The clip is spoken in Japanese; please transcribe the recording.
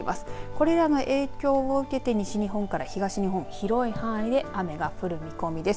これらの影響を受けて西日本から東日本広い範囲で雨が降る見込みです。